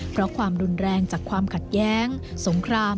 เพราะความรุนแรงจากความขัดแย้งสงคราม